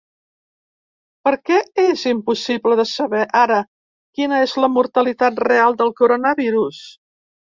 Per què és impossible de saber ara quina és la mortalitat real del coronavirus?